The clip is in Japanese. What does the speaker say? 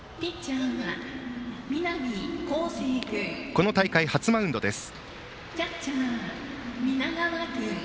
この大会初マウンドです南恒誠。